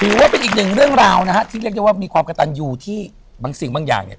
ถือว่าเป็นอีกหนึ่งเรื่องราวนะฮะที่เรียกได้ว่ามีความกระตันอยู่ที่บางสิ่งบางอย่างเนี่ย